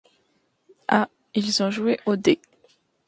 Ah! ils ont joué aux dés.